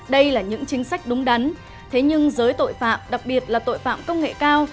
đây là những chính sách đúng đắn thế nhưng giới tội phạm đặc biệt là tội phạm công nghệ cao